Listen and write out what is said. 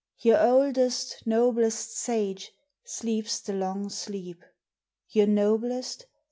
your oldest, noblest sage Sleeps the long sleep. Your noblest?